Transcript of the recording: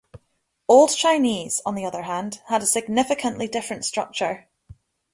Old Chinese, on the other hand, had a significantly different structure.